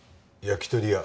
焼き鳥屋？